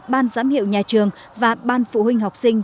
ban giám hiệu nhà trường và ban phụ huynh học sinh